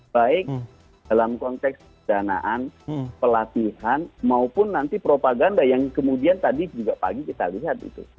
baik dalam konteks danaan pelatihan maupun nanti propaganda yang kemudian tadi juga pagi kita lihat itu